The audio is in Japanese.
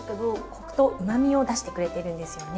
コクとうまみを出してくれているんですよね。